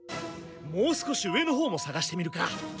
もう少し上のほうもさがしてみるか。